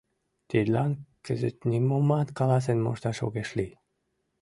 Тидлан кызыт нимомат каласен мошташ огеш лий.